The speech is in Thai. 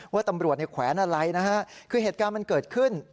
ว่าตำรวจเนี่ยแขวนอะไรนะฮะคือเหตุการณ์มันเกิดขึ้น